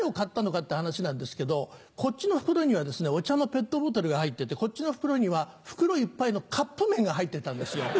って話なんですけどこっちの袋にはですねお茶のペットボトルが入っててこっちの袋には袋いっぱいのカップ麺が入ってたんですよ。